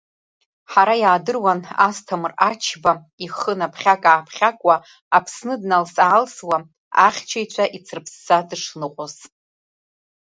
Ҳара иаадыруан Асҭамыр Ачба ихы наԥхьак-ааԥхьакуа, Аԥсны дналс-аалсуа, ахьчаҩцәа ицрыԥсса дышныҟәоз.